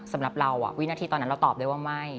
สำหรับเราวินาทีตอนนั้นเราตอบได้ว่าไม่